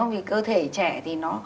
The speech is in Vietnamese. vì cơ thể trẻ thì nó